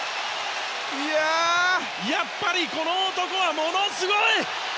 やっぱりこの男はものすごい！